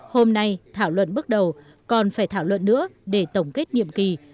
hôm nay thảo luận bước đầu còn phải thảo luận nữa để tổng kết nhiệm kỳ